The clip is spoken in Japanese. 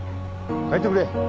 帰ってくれ！